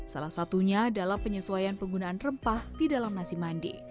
salah satunya adalah penyesuaian penggunaan rempah di dalam nasi mandi